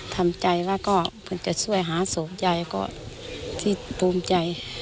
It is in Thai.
ทำใจแล้วก็จะช่วยหาสวงใจก็ที่ภูมิใจ